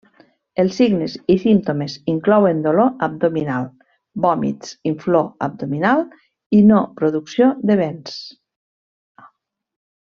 Els signes i símptomes inclouen dolor abdominal, vòmits, inflor abdominal i no producció de vents.